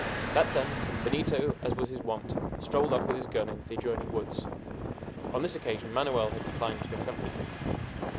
That done, Benito, as was his wont, strolled off with his gun into the adjoining woods. On this occasion Manoel had declined to accompany him.